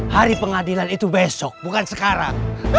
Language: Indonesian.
hari pengadilan itu besok bukan sekarang